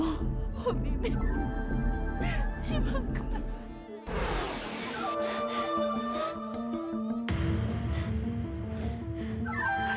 oh bimbing terima kasih